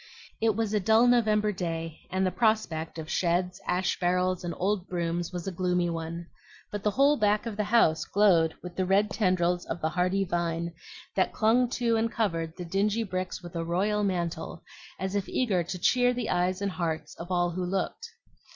It was a dull November day, and the prospect of sheds, ash barrels, and old brooms was a gloomy one; but the whole back of the house glowed with the red tendrils of the hardy vine that clung to and covered the dingy bricks with a royal mantle, as if eager to cheer the eyes and hearts of all who looked.